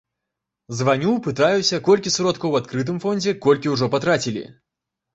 Званю, пытаюся, колькі сродкаў у адкрытым фондзе, колькі ўжо патрацілі.